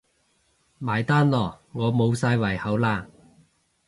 埋單囉，我無晒胃口喇